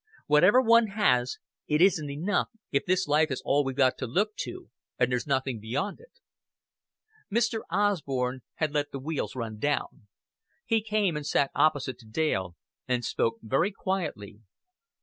Whatever one has, it isn't enough if this life is all we've got to look to and there's nothing beyond it." Mr. Osborn had let the wheels run down. He came and sat opposite to Dale, and spoke very quietly.